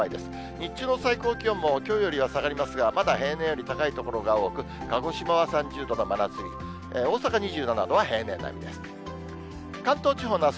日中の最高気温も、きょうよりは下がりますが、まだ平年より高い所が多く、鹿児島は３０度の真夏日、大阪２７度は平年並みです。